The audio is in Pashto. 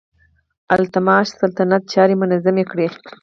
التتمش د سلطنت چارې منظمې کړې.